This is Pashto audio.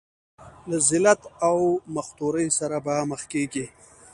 له ذلت او مختورۍ سره به مخ کېږي.